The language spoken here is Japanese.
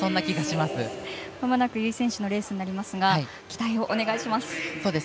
まもなく由井選手のレースになりますが期待をお願いします。